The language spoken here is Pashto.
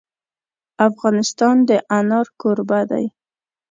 افغانستان د انار کوربه دی.